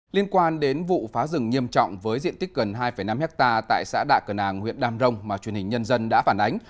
liên quan đến vụ phá rừng nghiêm trọng với diện tích gần hai năm hectare tại xã đạ cờ nàng huyện đàm rồng mà truyền hình nhân dân đã phản ánh